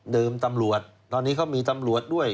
ตำรวจตอนนี้เขามีตำรวจด้วย